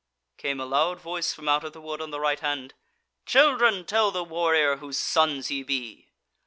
Came a loud voice from out of the wood on the right hand: "Children, tell the warrior whose sons ye be!"